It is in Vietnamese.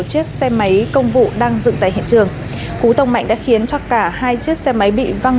chiếc xe máy công vụ đang dựng tại hiện trường cú tông mạnh đã khiến cho cả hai chiếc xe máy bị văng